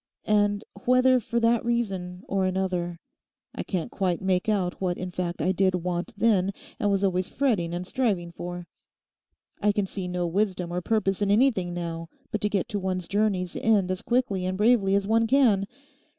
And whether for that reason or another, I can't quite make out what in fact I did want then, and was always fretting and striving for. I can see no wisdom or purpose in anything now but to get to one's journey's end as quickly and bravely as one can.